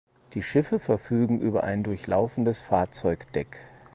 Die Schiffe verfügen über ein durchlaufendes Fahrzeugdeck.